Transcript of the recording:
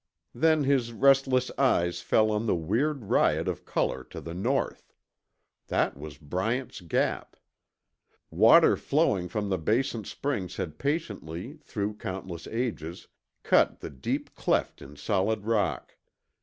Then his restless eyes fell on the weird riot of color to the north. That was Bryant's Gap. Water flowing from the basin springs had patiently, through countless ages, cut the deep cleft in solid rock.